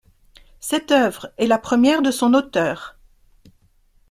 Cette œuvre est la première de son auteur.